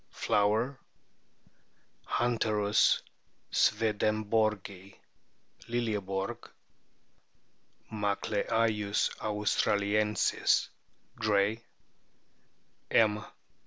Flower ; HunteriuS swedenborgi, Liljeborg; Macleayins austra liensis, Gray; M.